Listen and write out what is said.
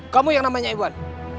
kamu yang namanya iwan